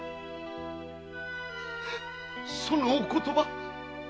そのお言葉。